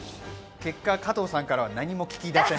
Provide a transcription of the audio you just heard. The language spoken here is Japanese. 結果、加藤さんからは何も聞き出せない。